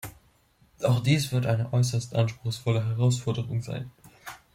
Auch dies wird eine äußerst anspruchsvolle Herausforderung sein.